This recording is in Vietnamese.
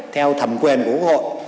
theo thẩm quyền của quốc hội